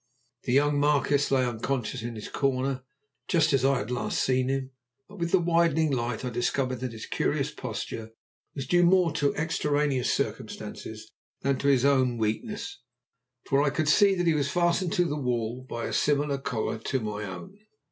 The young Marquis lay unconscious in his corner just as I had last seen him, but with the widening light I discovered that his curious posture was due more to extraneous circumstances than to his own weakness, for I could see that he was fastened to the wall by a similar collar to my own.